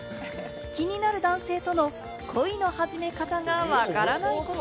気になる男性との恋の始め方がわからないこと。